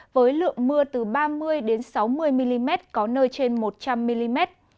với lượng mưa từ ba mươi sáu mươi mm có nơi trên một trăm linh mm